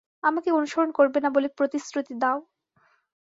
আমাকে অনুসরণ করবে না বলে প্রতিশ্রুতি দাও।